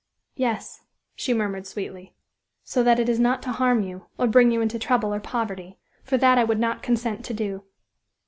"Yes," she murmured sweetly, "so that it is not to harm you, or bring you into trouble or poverty; for that I would not consent to do!"